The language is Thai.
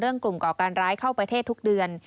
กลุ่มก่อการร้ายเข้าประเทศทุกเดือน